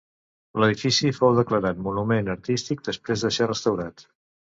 L'edifici fou declarat Monument Artístic després de ser restaurat.